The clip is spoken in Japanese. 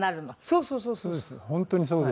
そうそうそうそう。